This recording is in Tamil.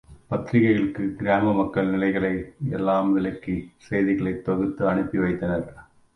பத்திரிக்கைகளுக்கு கிராம மக்கள் நிலைகளை எல்லாம் விளக்கிச் செய்திகளைத் தொகுத்து அனுப்பி வைத்தார்.